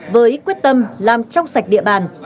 với quyết tâm làm trong sạch địa bàn